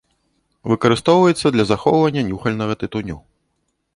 Выкарыстоўваецца для захоўвання нюхальнага тытуню.